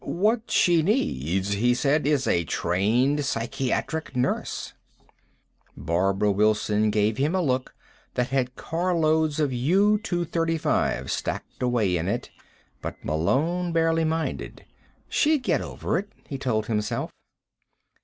"What she needs," he said, "is a trained psychiatric nurse." Barbara Wilson gave him a look that had carloads of U stacked away in it, but Malone barely minded. She'd get over it, he told himself.